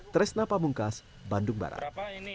tresna pamungkas bandung barat